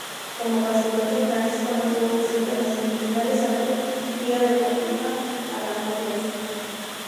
Como consecuencia, Francisco no estuvo presente en las semifinales ante Liga Deportiva Alajuelense.